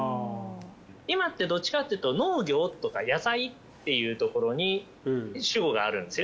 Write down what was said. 今ってどっちかっていうと「農業」とか「野菜」っていうところに主語があるんですよね